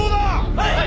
はい！